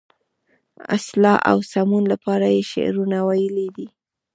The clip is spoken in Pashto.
اصلاح او سمون لپاره یې شعرونه ویلي دي.